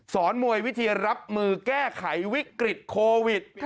มวยวิธีรับมือแก้ไขวิกฤตโควิด